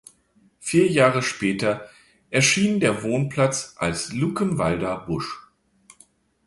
Vier Jahre später erschien der Wohnplatz als "Luckenwalder Busch".